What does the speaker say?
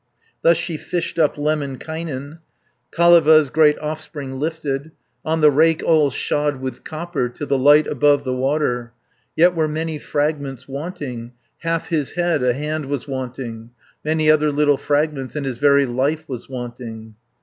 Thus she fished up Lemminkainen, Kaleva's great offspring lifted, On the rake all shod with copper, To the light above the water. Yet were many fragments wanting, Half his head, a hand was wanting, Many other little fragments, And his very life was wanting.